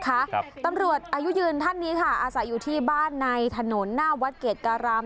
ครับตำรวจอายุยืนท่านนี้ค่ะอาศัยอยู่ที่บ้านในถนนหน้าวัดเกรดการาม